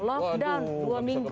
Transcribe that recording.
lockdown dua minggu